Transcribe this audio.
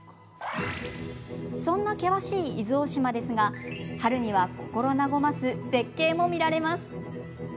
そんな険しい伊豆大島ですが春には心和ます絶景も見られます。